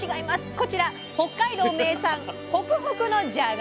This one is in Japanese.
こちら北海道名産ホクホクのじゃがいもです！